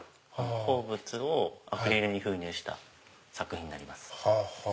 鉱物をアクリルに封入した作品になります。